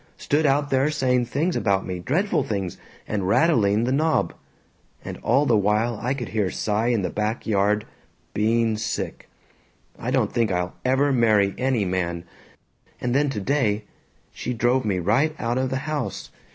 Stood out there saying things about me, dreadful things, and rattling the knob. And all the while I could hear Cy in the back yard being sick. I don't think I'll ever marry any man. And then today "She drove me right out of the house.